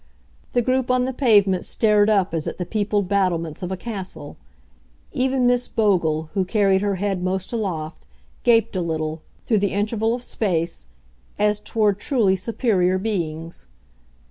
The group on the pavement stared up as at the peopled battlements of a castle; even Miss Bogle, who carried her head most aloft, gaped a little, through the interval of space, as toward truly superior beings.